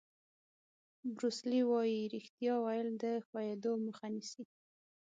بروس لي وایي ریښتیا ویل د ښویېدو مخه نیسي.